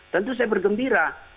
tentu saya bergembira